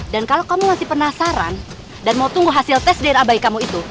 dan kalau kamu masih penasaran dan mau tunggu hasil tes dna bayi kamu itu